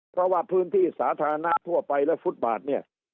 เพราะว่าพื้นที่สาธารณะทั่วไปและฟุตบาทเนี่ย